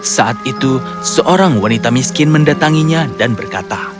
saat itu seorang wanita miskin mendatanginya dan berkata